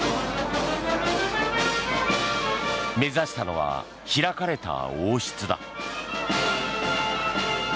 目指したのは開かれた王室だ。